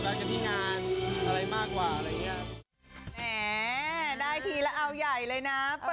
เราลั่นเลยที่รักว่าไง